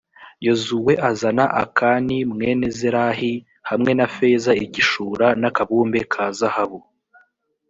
yozuwe azana akani mwene zerahi, hamwe na feza, igishura, n’akabumbe ka zahabu.